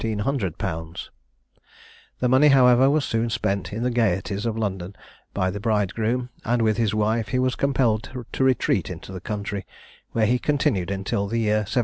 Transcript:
_ The money, however, was soon spent in the gaieties of London, by the bridegroom, and with his wife he was compelled to retreat into the country, where he continued until the year 1782.